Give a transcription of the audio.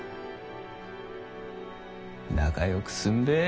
仲よくすんべぇ。